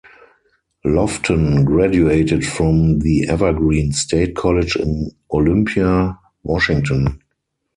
Lofton graduated from The Evergreen State College in Olympia, Washington.